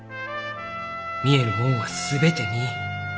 見えるもんは全て見い。